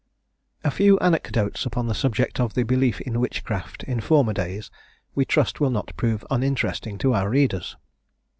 A few anecdotes upon the subject of the belief in witchcraft, in former days, we trust will not prove uninteresting to our readers.